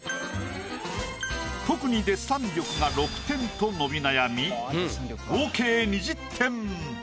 特にデッサン力が６点と伸び悩み合計２０点。